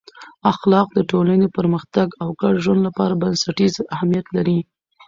اخلاق د ټولنې د پرمختګ او ګډ ژوند لپاره بنسټیز اهمیت لري.